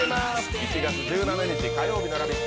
１月１７日火曜日の「ラヴィット！」